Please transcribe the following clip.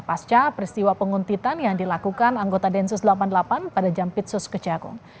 pasca peristiwa penguntitan yang dilakukan anggota densus delapan puluh delapan pada jampitsus kejagung